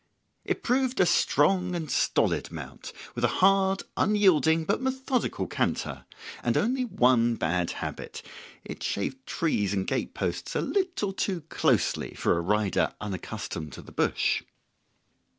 It proved a strong and stolid mount, with a hard, unyielding, but methodical canter, and only one bad habit: it shaved trees and gateposts a little too closely for a rider unaccustomed to the bush.